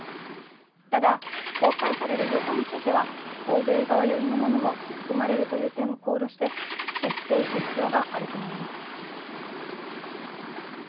ただ、公開される情報については、欧米側寄りのものも含まれるという点も考慮して、接していく必要があると思います。